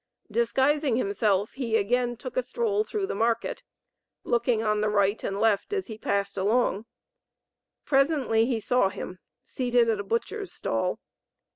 Disguising himself he again took a stroll through the market, looking on the right and left as he passed along; presently he saw him seated at a butcher's stall.